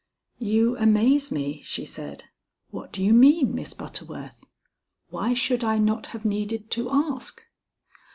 "You amaze me," she said. "What do you mean, Miss Butterworth? Why should I not have needed to ask?"